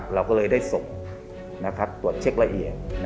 เราก็เลยได้ส่งตรวจเช็คละเอียด